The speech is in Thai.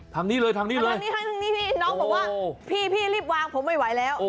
ถังนี้เลยน้องก็บอกว่าพี่รีบวางผมไม่ไหวแล้วโอ้